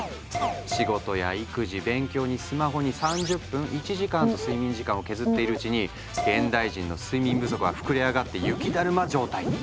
仕事や育児勉強にスマホに３０分１時間と睡眠時間を削っているうちに現代人の睡眠不足は膨れ上がって雪だるま状態に。